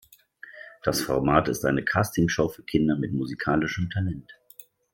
Das Format ist eine Castingshow für Kinder mit musikalischem Talent.